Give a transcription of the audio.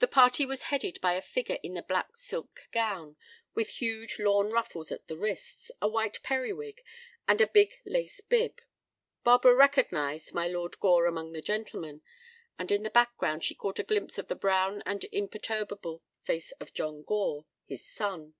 The party was headed by a figure in a black silk gown, with huge lawn ruffles at the wrists, a white periwig, and a big lace bib. Barbara recognized my Lord Gore among the gentlemen, and in the background she caught a glimpse of the brown and imperturbable face of John Gore, his son.